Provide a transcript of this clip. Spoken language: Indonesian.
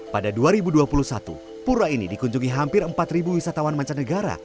pada dua ribu dua puluh satu pura ini dikunjungi hampir empat wisatawan mancanegara